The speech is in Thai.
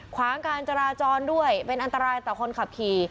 ขวางการจราจรด้วยเป็นอันตรายต่อคนขับขี่